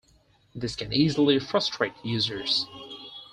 This can easily frustrate users.